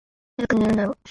早く寝るんだろ？